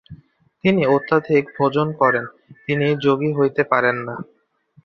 যিনি অত্যধিক ভোজন করেন, তিনি যোগী হইতে পারেন না।